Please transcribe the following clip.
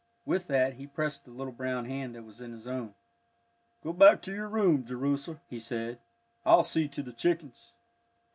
With that he pressed the little brown hand that was in his own. "Go back to your room, Jerusha," he said. "I'll see to the chickens."